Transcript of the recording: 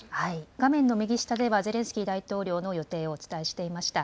画面の右下では、ゼレンスキー大統領の予定をお伝えしていました。